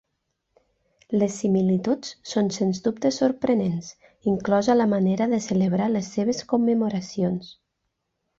Les similituds són sens dubte sorprenents, inclosa la manera de celebrar les seves commemoracions.